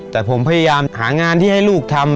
แต่ผมพยายามหางานที่ให้ลูกทำ